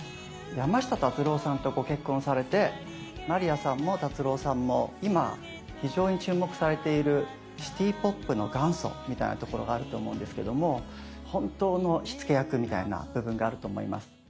山下達郎さんとご結婚されてまりやさんも達郎さんも今非常に注目されているシティーポップの元祖みたいなところがあると思うんですけども本当の火付け役みたいな部分があると思います。